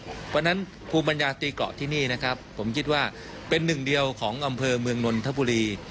เพราะฉะนั้นภูมิปัญญาตีเกาะที่นี่นะครับผมคิดว่าเป็นหนึ่งเดียวของอำเภอเมืองนนทบุรี